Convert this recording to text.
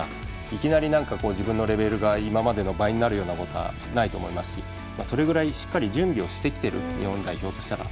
いきなり自分のレベルが今までの倍になるようなことはないと思いますしそれぐらいしっかり準備してきている日本代表としては。